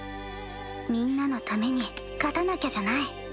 みんなのために勝たなきゃじゃない。